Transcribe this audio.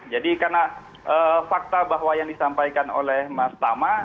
jadi karena fakta bahwa yang disampaikan oleh mas tama